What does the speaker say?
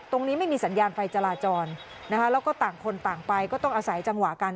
ไม่มีสัญญาณไฟจราจรนะคะแล้วก็ต่างคนต่างไปก็ต้องอาศัยจังหวะกัน